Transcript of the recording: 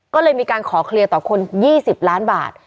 ก็เลยมีการขอเคลียร์ต่อคน๒๐ล้านบาท